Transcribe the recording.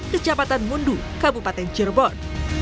kecamatan mundu kabupaten cirebon